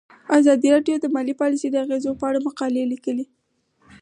ازادي راډیو د مالي پالیسي د اغیزو په اړه مقالو لیکلي.